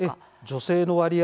女性の割合